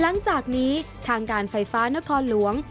หลังจากนี้ทางการไฟฟ้านครหลวง